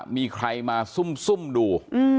มีใครมาซุ่มดู